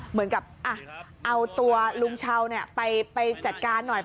เหมือนกับเอาตัวลุงเช้าไปจัดการหน่อย